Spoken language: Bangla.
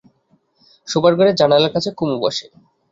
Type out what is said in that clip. শোবার ঘরের জানালার কাছে কুমু বসে।